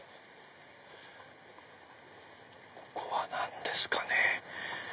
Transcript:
ここは何ですかね。